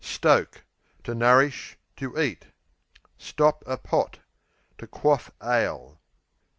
Stoke To nourish; to eat. Stop a pot To quaff ale.